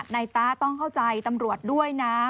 นายต้าต้องเข้าใจตำรวจด้วยนะ